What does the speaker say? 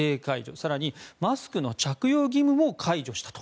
更に、マスクの着用義務も解除したと。